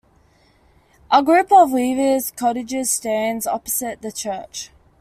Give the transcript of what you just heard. A group of weavers' cottages stands opposite the church.